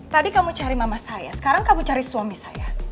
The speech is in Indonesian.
tadi kamu cari mama saya sekarang kamu cari suami saya